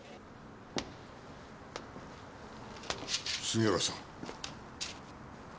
杉浦さん。